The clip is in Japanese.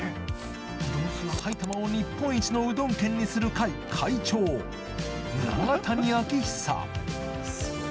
埼玉を日本一のうどん県にする会会長永谷晶久